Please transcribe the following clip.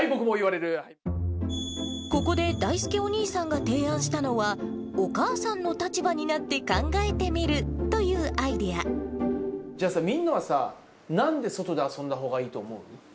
ここで、だいすけお兄さんが提案したのは、お母さんの立場になって考えてみじゃあさ、みんなはなんで外で遊んだほうがいいと思う？